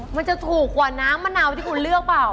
มันจะถูกกว่าน้ำมะนาวที่คุณเลือกเปล่า